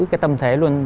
cái tâm thế